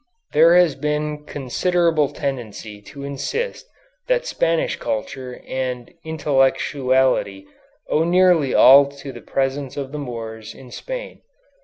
There has been considerable tendency to insist that Spanish culture and intellectuality owe nearly all to the presence of the Moors in Spain.